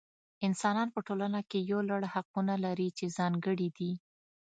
انسانان په ټولنه کې یو لړ حقونه لري چې ځانګړي دي.